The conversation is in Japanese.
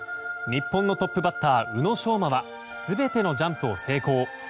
日本のトップバッター宇野昌磨は全てのジャンプを成功。